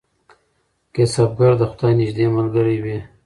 کسبګر د خدای نږدې ملګری وي.